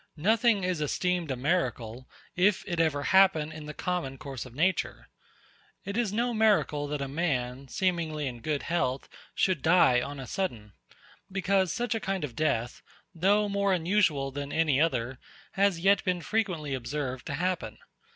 Nothing is esteemed a miracle, if it ever happen in the common course of nature. It is no miracle that a man, seemingly in good health, should die on a sudden: because such a kind of death, though more unusual than any other, has yet been frequently observed to happen.